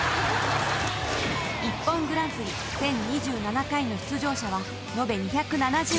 ［『ＩＰＰＯＮグランプリ』全２７回の出場者は延べ］